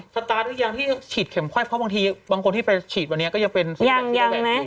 สตาร์ทหรือยังที่ฉีดเข็มไข้เพราะบางทีบางคนที่ไปฉีดวันนี้ก็ยังเป็นยังเห็นไหม